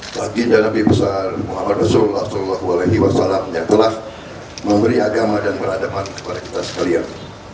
baginda nabi besar muhammad rasulullah saw yang telah memberi agama dan peradaban kepada kita sekalian